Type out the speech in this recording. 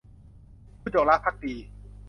ผู้จงรักภักดี